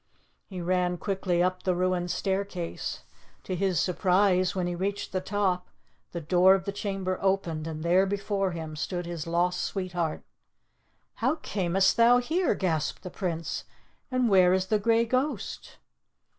He ran quickly up the ruined staircase. To his surprise when he reached the top, the door of the chamber opened, and there before him stood his lost sweetheart. "How camest thou here?" gasped the Prince. "And where is the grey ghost."